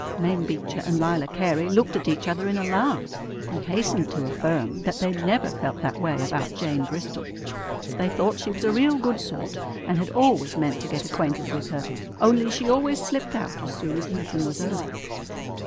Mame Beecher and Lila Cary looked at each other in alarm, and hastened to affirm that they never felt that way about Jane Bristol. They thought she was a real good sort, and had always meant to get acquainted with her; only she always slipped out as soon as meeting was over.